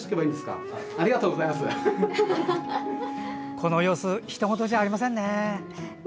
この様子ひと事じゃありませんね。